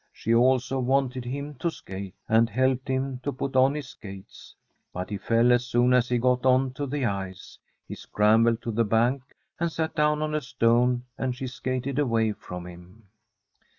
She also wanted him to skate, and helped him to put on his skates ; but he fell as soon as he got on to the ice. He scrambled to the bank and sat down on a stone, and she skated away from him.